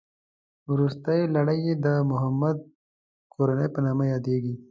روستۍ لړۍ یې د محمد کورنۍ په نامه یادېږي.